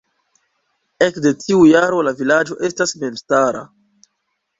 Ekde tiu jaro la vilaĝo estas memstara.